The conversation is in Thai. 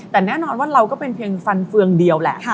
แต่แน่นอนว่าเราก็เป็นเพียงฟันเฟืองเดียวแหละ